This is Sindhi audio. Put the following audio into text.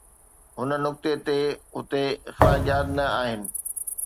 هن نقطي تي هتي اخلاقيات نه آهن.